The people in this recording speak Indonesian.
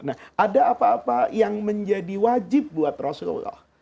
nah ada apa apa yang menjadi wajib buat rasulullah